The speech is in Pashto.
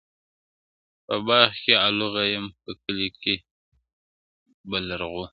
o په باغ کي الو غيم، په کلي کي بِلرغو٫